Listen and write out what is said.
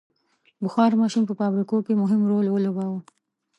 • بخار ماشین په فابریکو کې مهم رول ولوباوه.